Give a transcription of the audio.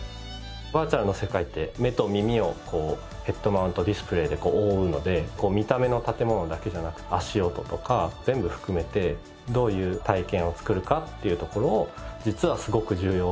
バーチャルの世界って目と耳をこうヘッドマウントディスプレーで覆うので見た目の建物だけじゃなく足音とか全部含めてどういう体験を作るかっていうところを実はすごく重要。